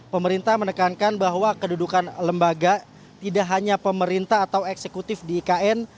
pemerintah menekankan bahwa kedudukan lembaga tidak hanya pemerintah atau eksekutif di ikn